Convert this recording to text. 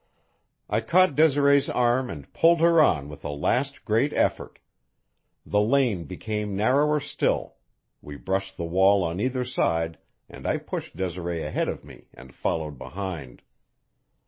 I caught Desiree's arm and pulled her on with a last great effort. The lane became narrower still; we brushed the wall on either side, and I pushed Desiree ahead of me and followed behind.